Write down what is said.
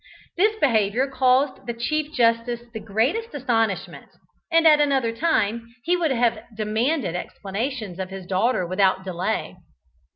This behaviour caused the Chief Justice the greatest astonishment, and at another time he would have demanded explanations of his daughter without delay.